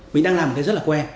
mình đang làm một cái rất là que